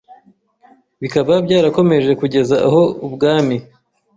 bikaba byarakomeje kugeza aho Ubwami